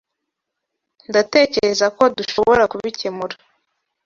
Ndatekereza ko dushobora kubikemura.